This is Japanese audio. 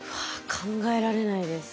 考えられないです。